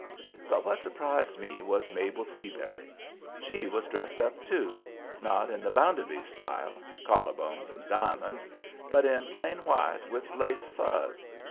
But what surprised me was Mabel Seabury. She was dressed up, too; not in the Bounderbys' style collar bones and diamonds but in plain white with lace fuzz.